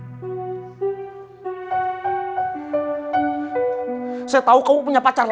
kamu itu enggak usah ngalihin pembicaraan